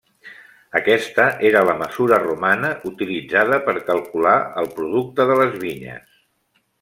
Aquesta era la mesura romana utilitzada per calcular el producte de les vinyes.